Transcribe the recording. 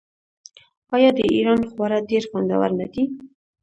آیا د ایران خواړه ډیر خوندور نه دي؟